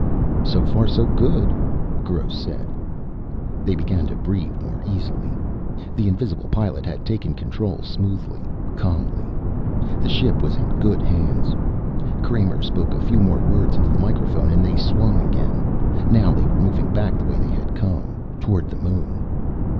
"So far so good," Gross said. They began to breathe more easily. The invisible pilot had taken control smoothly, calmly. The ship was in good hands. Kramer spoke a few more words into the microphone, and they swung again. Now they were moving back the way they had come, toward the moon.